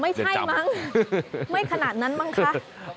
ไม่ใช่มั้งไม่ขนาดนั้นมั้งคะ